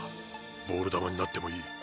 ボール球になってもいい。